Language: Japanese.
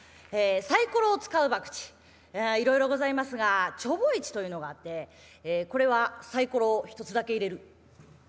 サイコロを使う博打いろいろございますがちょぼいちというのがあってこれはサイコロを一つだけ入れる。